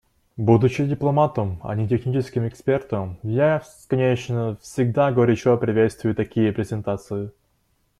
Будучи дипломатом, а не техническим экспертом, я, конечно, всегда горячо приветствую такие презентации.